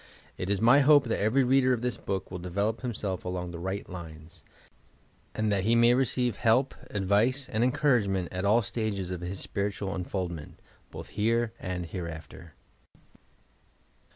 It is my hope that every reader of this book will develop himself along the right lines, and that he may receive help, advice and encouragement at all stages of his spiritual uu foldment, — both here and hereafter!